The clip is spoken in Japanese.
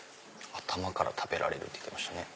頭から食べられるって言ってた。